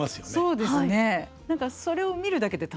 そうですね。